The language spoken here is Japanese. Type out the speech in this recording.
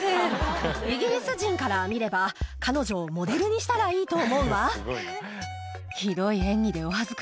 イギリス人から見れば彼女をモデルにしたらいいと思うわ。